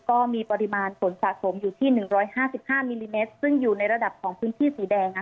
ก็มีปริมาณฝนสะสมอยู่ที่๑๕๕มิลลิเมตรซึ่งอยู่ในระดับของพื้นที่สีแดง